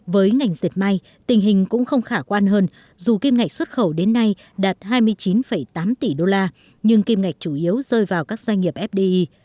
với ngành diệt may tình hình cũng không khả quan hơn dù kim ngạch xuất khẩu đến nay đạt hai mươi chín tám tỷ đô la nhưng kim ngạch chủ yếu rơi vào các doanh nghiệp fdi